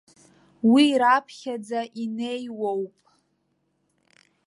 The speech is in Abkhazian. Уи раԥхьаӡа инеиуоуп.